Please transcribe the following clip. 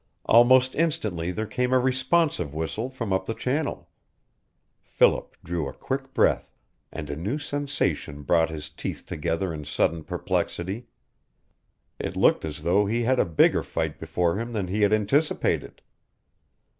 Almost instantly there came a responsive whistle from up the channel. Philip drew a quick breath, and a new sensation brought his teeth together in sudden perplexity. It looked as though he had a bigger fight before him than he had anticipated.